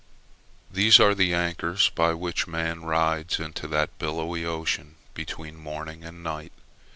These are the anchors by which man rides in that billowy ocean between morning and night.